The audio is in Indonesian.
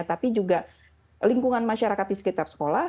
tapi juga lingkungan masyarakat di sekitar sekolah